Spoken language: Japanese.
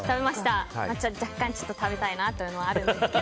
若干食べたいなというのはあるんですが。